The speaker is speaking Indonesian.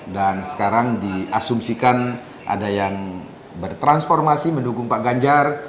dan sekarang diasumsikan ada yang bertransformasi mendukung pak ganjar